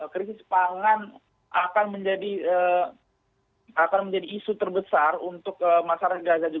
krisis pangan akan menjadi isu terbesar untuk masyarakat gaza